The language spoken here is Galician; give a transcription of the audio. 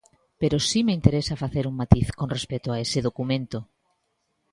Pero si me interesa facer un matiz con respecto a ese documento.